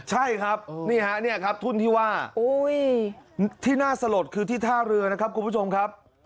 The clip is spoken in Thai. ใช่ครับนี่ฮะเนี่ยครับทุ่นที่ว่าที่น่าสลดคือที่ท่าเรือนะครับคุณผู้ชมครับ